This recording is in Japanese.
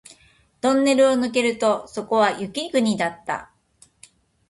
トンネルを抜けるとそこは雪国だった